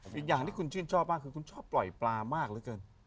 อีกอย่างที่คุณชื่นชอบการต้องปล่อยปลามากเลยเกิน